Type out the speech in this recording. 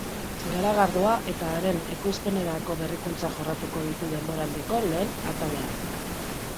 Garagardoa eta haren ekoizpenerako berrikuntzak jorratuko ditu denboraldiko lehen atalean.